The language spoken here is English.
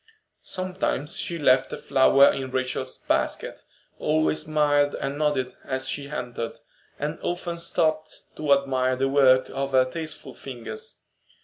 Sometimes she left a flower in Rachel's basket, always smiled and nodded as she entered, and often stopped to admire the work of her tasteful fingers.